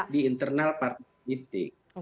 di internal partai politik